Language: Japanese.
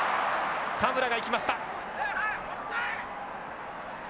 田村が行きました。